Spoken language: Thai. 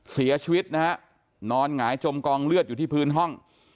เสียชีวิตนะฮะนอนหงายจมกองเลือดอยู่ที่พื้นห้อง